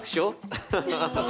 アハハハハッ。